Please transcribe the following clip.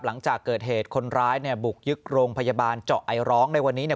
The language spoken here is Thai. หลังจากเกิดเหตุคนร้ายเนี่ยบุกยึกโรงพยาบาลเจาะไอร้องในวันนี้เนี่ย